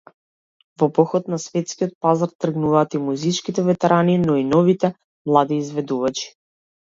Во поход на светскиот пазар тргнуваат и музичките ветерани, но и новите, млади изведувачи.